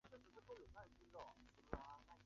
六本木周边曾设有日军的军事设施。